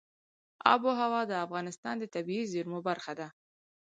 آب وهوا د افغانستان د طبیعي زیرمو برخه ده.